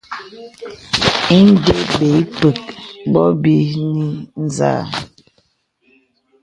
Indē bə̀ ǐ pə̀k bɔ bɔbini zâ.